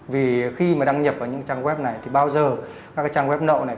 vì khi mà đăng nhập vào những trang web này thì bao giờ các trang web lậu này